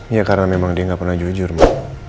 ya karena memang dia gak pernah jujur ma